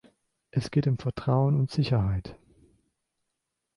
Es geht um Vertrauen und Sicherheit.